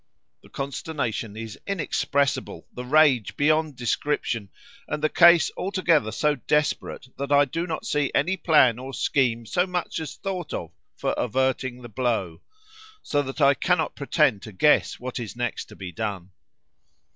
The consternation is inexpressible the rage beyond description, and the case altogether so desperate, that I do not see any plan or scheme so much as thought of for averting the blow, so that I cannot pretend to guess what is next to be done."